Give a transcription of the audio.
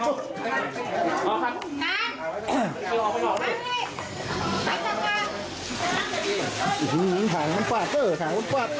อื้อฮือถ่ายน้ำปลาเกอร์ถ่ายน้ำปลาเกอร์